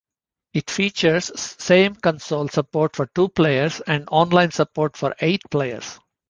It features same console support for two players and online support for eight players.